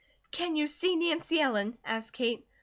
"Can you see Nancy Ellen?" asked Kate.